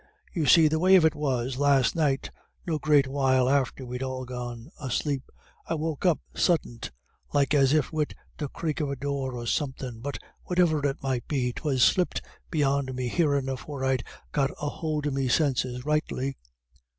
"You see the way of it was, last night, no great while after we'd all gone asleep, I woke up suddint, like as if wid the crake of a door or somethin', but, whatever it might be, 'twas slipped beyond me hearin' afore I'd got a hould of me sinses rightly.